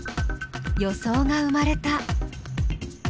予想が生まれた。